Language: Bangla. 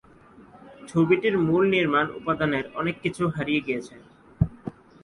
ছবিটির মূল নির্মাণ উপাদানের অনেক কিছু হারিয়ে গেছে।